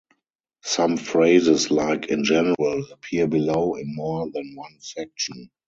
Some phrases, like "in general", appear below in more than one section.